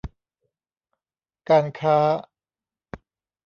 การค้า